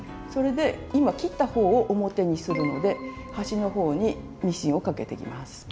それで今切った方を表にするので端の方にミシンをかけていきます。